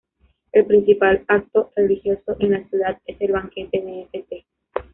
El principal acto religioso en la ciudad es el banquete de St.